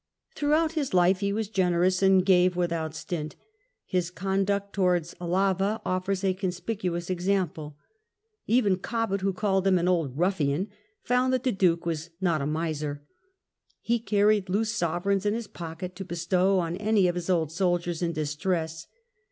Throughout his life he was generous and gave without stint. His conduct towards Alava affords a conspicuous example. Even Cobbett^ who called him an "old ruffian," found that the Duke was "not a miser," He carried loose sovereigns in his pocket to bestow on any of his old soldiers in distress.